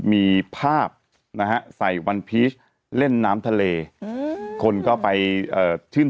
มีภาพนะฮะใส่วันพีชเล่นน้ำทะเลอืมคนก็ไปชื่น